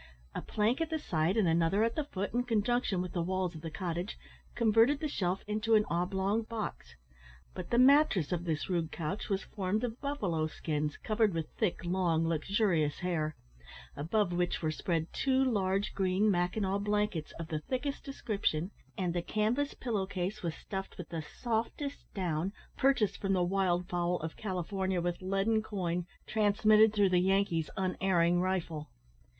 A plank at the side, and another at the foot, in conjunction with the walls of the cottage, converted the shelf into an oblong box. But the mattress of this rude couch was formed of buffalo skins, covered with thick, long luxurious hair; above which were spread two large green mackinaw blankets of the thickest description; and the canvas pillow case was stuffed with the softest down, purchased from the wild fowl of California with leaden coin, transmitted through the Yankee's unerring rifle.